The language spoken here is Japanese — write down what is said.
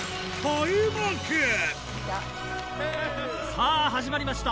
さぁ始まりました！